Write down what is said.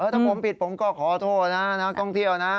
ถ้าผมผิดผมก็ขอโทษนะนักท่องเที่ยวนะ